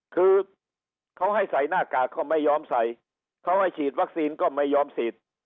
คือเขาให้ใส่หน้ากากก็ไม่ยอมใส่เขาให้ฉีดวัคซีนก็ไม่ยอมฉีด